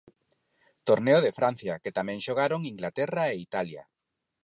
Torneo de Francia que tamén xogaron Inglaterra e Italia.